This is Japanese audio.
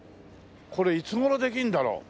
これいつ頃できるんだろう？